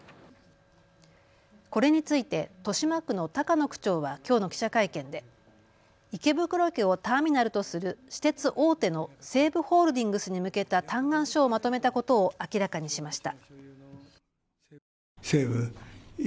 これについて豊島区の高野区長はきょうの記者会見で池袋駅をターミナルとする私鉄大手の西武ホールディングスに向けた嘆願書をまとめたことを明らかにしました。